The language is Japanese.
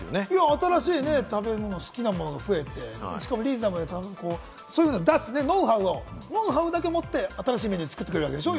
新しい食べ物、好きなものが増えてしかもリーズナブルで、それぞれ出すノウハウを、ノウハウだけ持って新しいメニューを作ってくれるわけでしょ？